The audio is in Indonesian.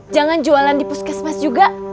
jangan jualan di puskesmas juga